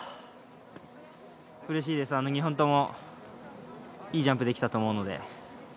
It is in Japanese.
うれしいです、２本ともいいジャンプ、できたと思うので。